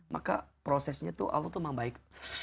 maka prosesnya tuh allah tuh memang baik